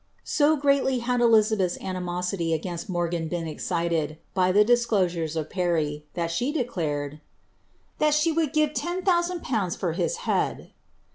So greatly had Elizabeth's animosity against Morgan been excited, by he disclosures of Parry, that she declared ^ that she would give ten housand pounds for his head."